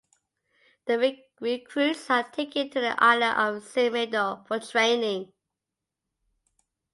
The recruits are taken to the island of Silmido for training.